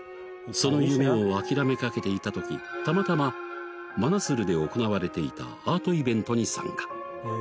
その夢を諦めかけていた時たまたま真鶴で行われていたアートイベントに参加